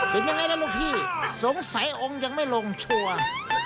เป็นยังไงล่ะลูกพี่สงสัยองค์ยังไม่ลงชัวร์